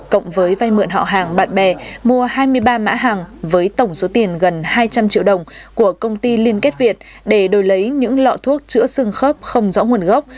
cộng với vai mượn họ hàng bạn bè mua hai mươi ba mã hàng với tổng số tiền gần hai trăm linh triệu đồng của công ty liên kết việt để đổi lấy những lọ thuốc chữa xương khớp không rõ nguồn gốc